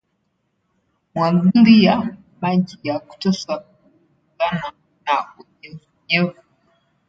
Mwagilia maji ya kutosha kulingana na unyevunyevu